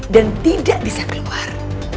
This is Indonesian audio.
dan tidak bisa keluar